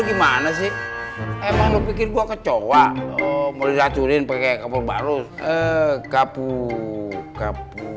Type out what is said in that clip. gimana sih emang lu pikir gua kecoa mau diracuni pakai kapur baru eh kapu kapu